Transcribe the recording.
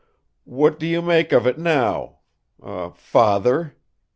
"What do you make of it now father?"